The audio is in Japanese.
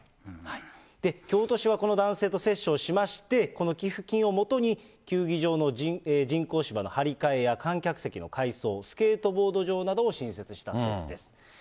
京都市はこの男性と折衝しまして、この寄付金をもとに、球技場の人工芝の張り替えや観客席の改装、スケートボード場などを新設したそうです。